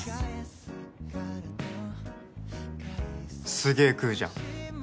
すげえ食うじゃん